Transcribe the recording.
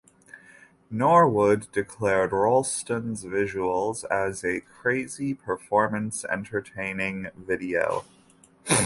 Norwood declared Rolston's visuals as a crazy performance-entertaining video.